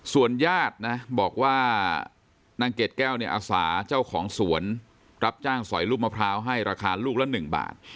ส่วนญาตินะบอกว่านางเกดแก้วเนี่ยอาสาเจ้าของสวนรับจ้างสอยลูกมะพร้าวให้ราคาลูกละ๑บาท